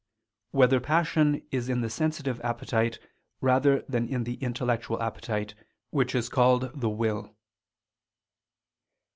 3] Whether Passion Is in the Sensitive Appetite Rather Than in the Intellectual Appetite, Which Is Called the Will?